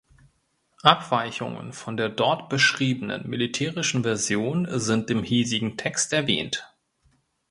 Abweichungen von der dort beschriebenen militärischen Version sind im hiesigen Text erwähnt.